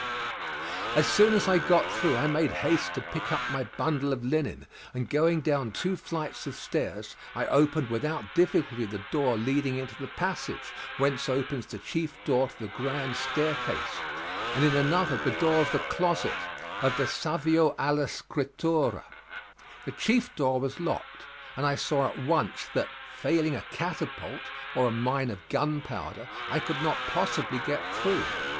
As soon as I got through I made haste to pick up my bundle of linen, and going down two flights of stairs I opened without difficulty the door leading into the passage whence opens the chief door to the grand staircase, and in another the door of the closet of the 'Savio alla scrittura'. The chief door was locked, and I saw at once that, failing a catapult or a mine of gunpowder, I could not possibly get through.